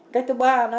cách thứ ba